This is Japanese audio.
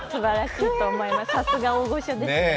さすが大御所ですね。